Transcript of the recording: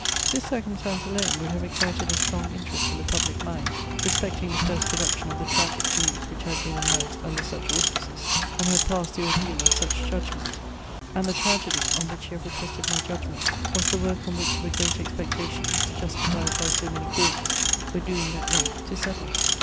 This circumstance alone would have excited a strong interest in the public mind, respecting the first production of the Tragic Muse which had been announced under such auspices, and had passed the ordeal of such judgments: and the tragedy, on which you have requested my judgment, was the work on which the great expectations, justified by so many causes, were doomed at length to settle.